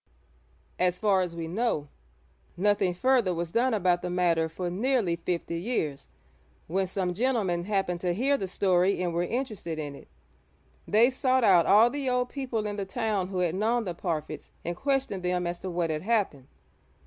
As far as we know, nothing further was done about the matter for nearly fifty years, when some gentlemen happened to hear the story and were interested in it. They sought out all the old people in the town who had known the Parfitts and questioned them as to what had happened.